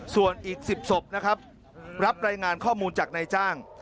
ส่วนอีก๑๐ศพนะครับรับรายงานข้อมูลจากนายจ้าง